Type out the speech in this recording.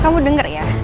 kamu denger ya